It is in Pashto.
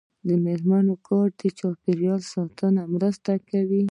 د میرمنو کار د چاپیریال ساتنې مرسته کوي.